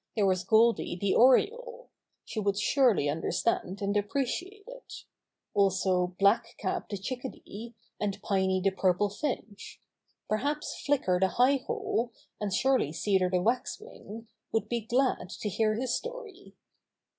There was Goldy the Oriole. She would surely understand and appreciate it. Also Black Cap the Chickadee, and Piney the Pur ple Finch. Perhaps Flicker the High Hole, and surely Cedar the Waxwing, would be glad to hear his story.